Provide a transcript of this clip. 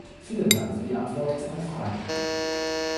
Vielen Dank für die Antwort auf meine Frage.